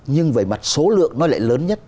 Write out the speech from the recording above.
nhưng về mặt số lượng nó lại lớn nhất